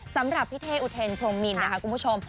สำหรับพี่เท่อุเทนพรมมินนะคะคุณผู้ชม